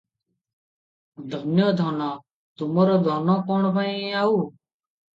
ଧନ୍ୟ ଧନ! ତୁମର ଧନ କଣ ପାଇଁ ଆଉ ।